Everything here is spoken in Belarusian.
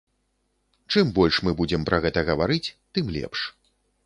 Чым больш мы будзем пра гэта гаварыць, тым лепш.